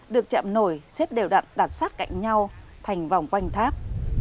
được chạm nổi xếp đều đặn đặt sát cạnh nhau thành vòng quanh tháp